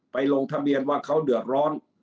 ลงทะเบียนว่าเขาเดือดร้อน